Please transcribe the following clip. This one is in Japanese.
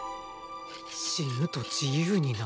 死ぬと自由になれる？